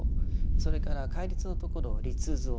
それから戒律のところを「律蔵」